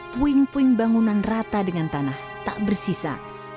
puing puing bangunan rata dengan tanah tak bersisa